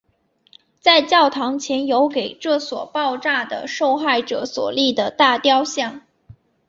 在教堂前有给这场爆炸的受害者所立的大塑像。